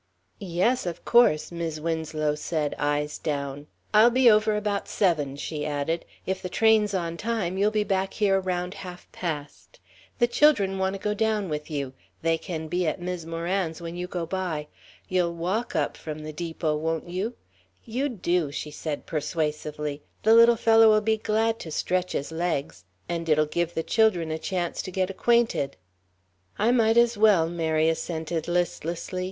"Yes, of course," Mis' Winslow said, eyes down. "I'll be over about seven," she added. "If the train's on time, you'll be back here around half past. The children want to go down with you they can be at Mis' Moran's when you go by. You'll walk up from the depot, won't you? You do," she said persuasively; "the little fellow'll be glad to stretch his legs. And it'll give the children a chance to get acquainted." "I might as well," Mary assented listlessly.